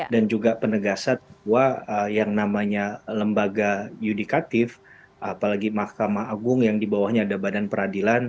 dan juga penegasan bahwa yang namanya lembaga yudikatif apalagi mahkamah agung yang dibawahnya ada badan peradilan